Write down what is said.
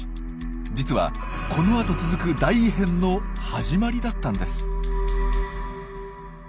実はこのあと続く大異変の始まりだったんです。